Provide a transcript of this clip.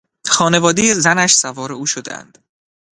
خانوادهی زنش سوار او شدهاند.